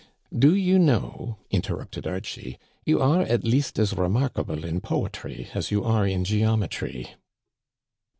" Do you know," interrupted Archie, " you are at least as remarkable in poetry as you are in geometry